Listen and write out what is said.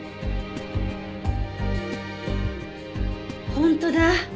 本当だ。